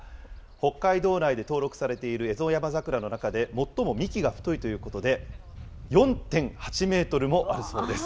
北海道内で登録されているエゾヤマザクラの中で、最も幹が太いということで、４．８メートルもあるそうです。